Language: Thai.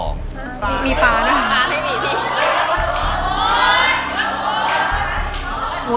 นกนุมนกนนล